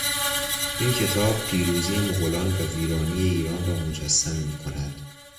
این کتاب پیروزی مغولان و ویرانی ایران را مجسم میکند.